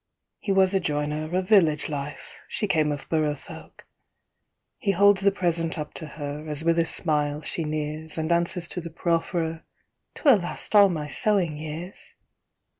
He was a joiner, of village life; She came of borough folk. He holds the present up to her As with a smile she nears And answers to the profferer, "'Twill last all my sewing years!"